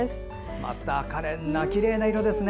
またかれんなきれいな色ですね。